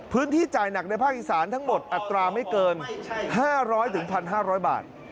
จ่ายหนักในภาคอีสานทั้งหมดอัตราไม่เกิน๕๐๐๑๕๐๐บาท